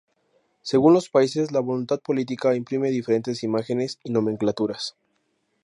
Según los países, la voluntad política imprime diferentes imágenes y nomenclaturas.